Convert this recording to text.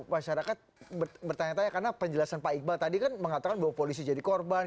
masyarakat bertanya tanya karena penjelasan pak iqbal tadi kan mengatakan bahwa polisi jadi korban